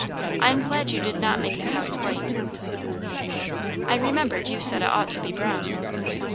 I am glad you did not make the house white." "I remembered you said it ought to be brown."